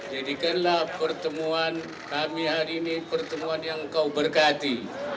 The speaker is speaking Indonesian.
jadikanlah pertemuan kami hari ini pertemuan yang kau berkati